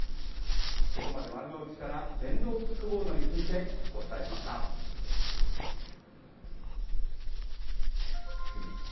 ここまで丸の内から、電動キックボードについてお伝えしまし次です。